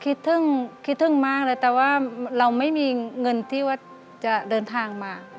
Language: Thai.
คิดถึงมากเลยแต่ว่าเราไม่มีเงินที่ว่าจะเดินทางมา